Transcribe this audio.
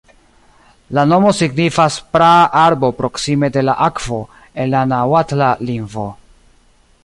La nomo signifas "praa arbo proksime de la akvo" en la naŭatla lingvo.